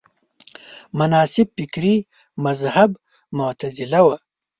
مناسب فکري مذهب معتزله وه